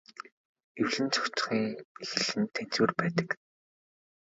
Эвлэн зохицохын эхлэл нь тэнцвэр байдаг.